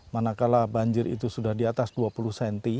manakala banjir itu sudah di atas dua puluh cm